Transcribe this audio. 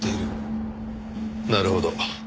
なるほど。